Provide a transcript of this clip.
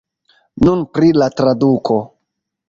Nun pri la traduko.